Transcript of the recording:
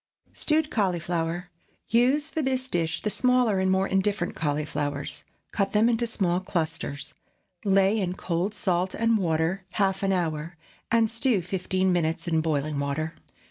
STEWED CAULIFLOWER. Use for this dish the smaller and more indifferent cauliflowers. Cut them into small clusters; lay in cold salt and water half an hour, and stew fifteen minutes in boiling water.